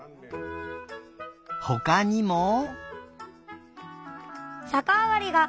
ほかにも。